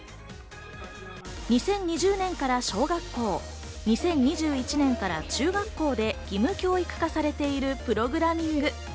２０２０年から小学校、２０２１年から中学校で義務教育化されているプログラミング。